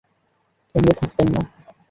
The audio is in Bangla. থেমে থাকবেন না!